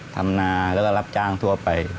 ทำนาแล้วก็รับจ้างทั่วไป